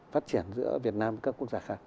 phát triển giữa việt nam và trung quốc